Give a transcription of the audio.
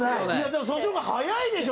でもそっちの方が早いでしょ？